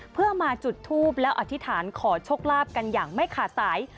เพื่อมาจุดทูปแล้วอธิษฐานขอโชคลาภกันอย่างไม่ขาดสาย